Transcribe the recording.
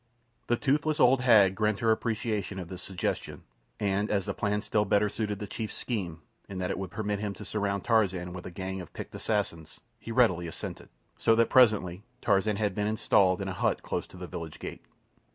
The toothless old hag grinned her appreciation of this suggestion, and as the plan still better suited the chief's scheme, in that it would permit him to surround Tarzan with a gang of picked assassins, he readily assented, so that presently Tarzan had been installed in a hut close to the village gate.